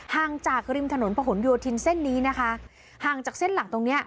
ห่างจากริมถนนผนโยธินเส้นนี้นะคะห่างจากเส้นหลักตรงเนี้ย